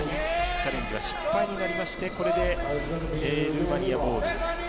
チャレンジは失敗になりましてこれでルーマニアボール。